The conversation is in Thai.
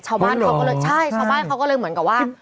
ชาวบ้านเขาก็เลยใช่ชาวบ้านเขาก็เลยเหมือนกับว่า